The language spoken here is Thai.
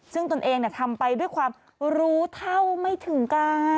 ซึ่งตนเองทำไปด้วยความรู้เท่าไม่ถึงการ